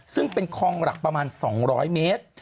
ซึ่งเป็นคลองหลักประมาณ๒๐๐เมตร